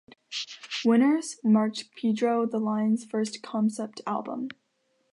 "Winners" marked Pedro the Lion's first concept album.